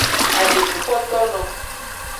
Adekukotono.